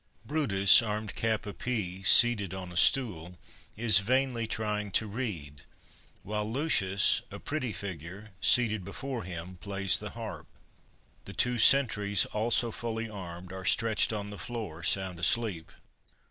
Brutus, armed cap a pie, seated on a stool, is vainly trying to read, while Lucius, a pretty figure, seated before him, plays the harp. The two sentries, also fully armed, are stretched on the floor sound asleep.